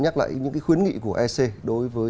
nhắc lại những cái khuyến nghị của ec đối với